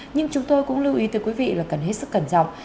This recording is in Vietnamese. nhưng chúng tôi cũng lưu ý tới quý vị là cần hết sức cẩn trọng